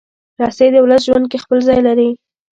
رسۍ د ولس ژوند کې خپل ځای لري.